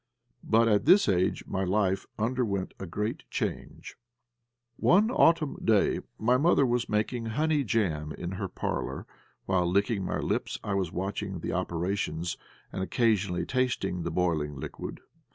But at this age my life underwent a great change. One autumn day, my mother was making honey jam in her parlour, while, licking my lips, I was watching the operations, and occasionally tasting the boiling liquid.